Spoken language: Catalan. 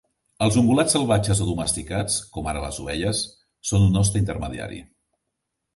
Els ungulats salvatges o domesticats, com ara les ovelles, són un hoste intermediari.